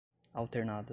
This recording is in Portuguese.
alternada